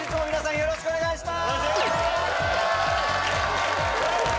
よろしくお願いします